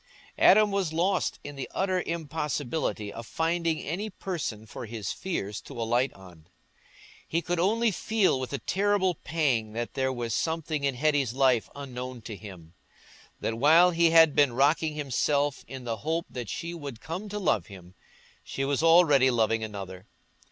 Adam was lost in the utter impossibility of finding any person for his fears to alight on. He could only feel with a terrible pang that there was something in Hetty's life unknown to him; that while he had been rocking himself in the hope that she would come to love him, she was already loving another.